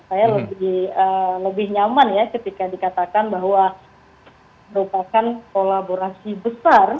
saya lebih nyaman ya ketika dikatakan bahwa merupakan kolaborasi besar